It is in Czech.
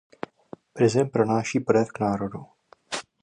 Prezident pronáší projev k národu.